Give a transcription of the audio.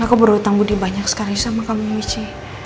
aku berhutang budi banyak sekali sama kamu micha